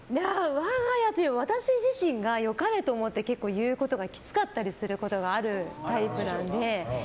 我が家というか、私自身が良かれと思って結構、言うことがきつかったりすることがあるタイプなので。